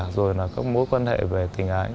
rồi mối quan hệ về tình ái